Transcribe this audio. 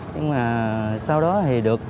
nhưng mà sau đó thì được